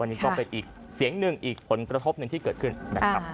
อันนี้ก็เป็นอีกเสียงหนึ่งอีกผลกระทบหนึ่งที่เกิดขึ้นนะครับ